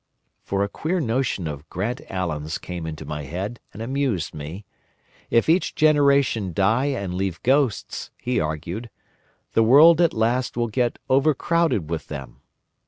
For a queer notion of Grant Allen's came into my head, and amused me. If each generation die and leave ghosts, he argued, the world at last will get overcrowded with them.